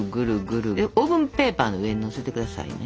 でオーブンペーパーの上にのせてくださいね。